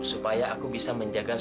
supaya aku bisa menjaga